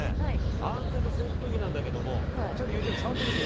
安全な扇風機なんだけどもちょっとゆうちゃみ触ってみてよ。